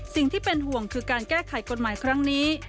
สิ่งที่เป็นห่วงคือการแก้ไขกฎหมายครั้งนี้